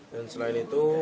dan selain itu